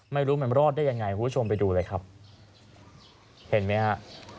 ไม่รู้มันรอดได้ยังไงคุณผู้ชมไปดูเลยครับเห็นไหมฮะ